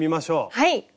はい！